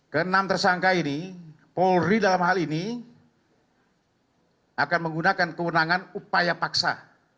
ke enam tersangka ini polri dalam hal ini akan menggunakan kewenangan upaya paksa